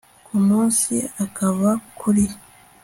ku munsi akazava kuri